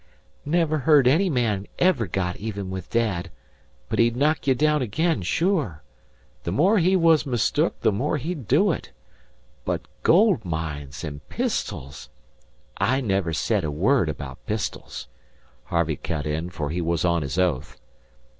"Never heard any man ever got even with dad. But he'd knock ye down again sure. The more he was mistook the more he'd do it. But gold mines and pistols " "I never said a word about pistols," Harvey cut in, for he was on his oath.